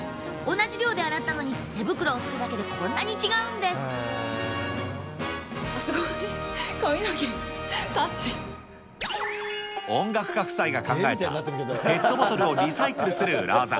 同じ量で洗ったのに、手袋をするすごい、音楽家夫妻が考えた、ペットボトルをリサイクルする裏ワザ。